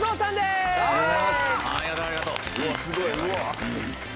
すごい！